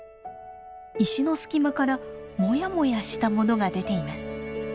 石の隙間からモヤモヤしたものが出ています。